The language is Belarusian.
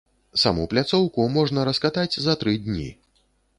Саму пляцоўку можна раскатаць за тры дні.